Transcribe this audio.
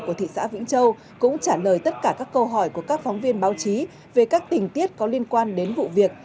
của thị xã vĩnh châu cũng trả lời tất cả các câu hỏi của các phóng viên báo chí về các tình tiết có liên quan đến vụ việc